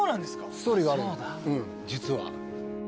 ストーリーがある実は。